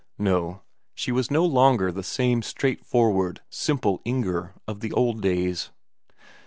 No, she was no longer the same straightforward, simple Inger of the old days.